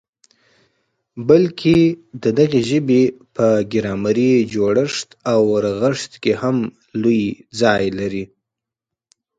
بلکي د دغي ژبي په ګرامري جوړښت او رغښت کي هم لوی ځای لري.